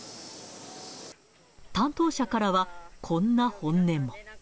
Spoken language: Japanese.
担当者からは、こんな本音も。